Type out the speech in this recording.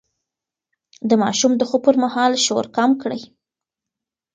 د ماشوم د خوب پر مهال شور کم کړئ.